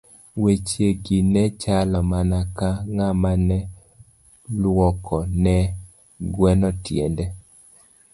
Weche gi ne chalo mana ka ng'ama ne lwoko ne gweno tiende.